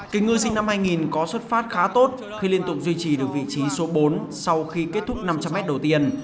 kịch ngư sinh năm hai nghìn có xuất phát khá tốt khi liên tục duy trì được vị trí số bốn sau khi kết thúc năm trăm linh m đầu tiên